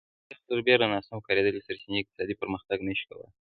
پر دې سربېره ناسم کارېدلې سرچینې اقتصادي پرمختګ نه شي کولای